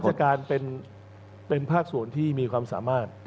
ผมเชื่อว่าราชการเป็นภาคส่วนที่มีความสามารถ